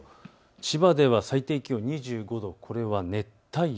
千葉では最低気温２５度、これは熱帯夜。